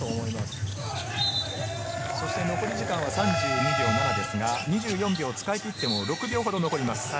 残り時間は３２秒７ですが、２４秒使い切っても６秒ほど残ります。